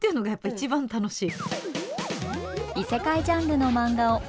一番楽しい。